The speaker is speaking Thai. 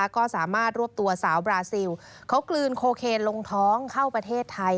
ก็สามารถรวบตัวสาวบราซิลเขากลืนโคเคนลงท้องเข้าประเทศไทย